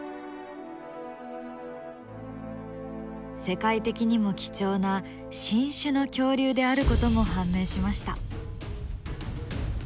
世界的にも貴重な新種の恐竜であることも判明しました。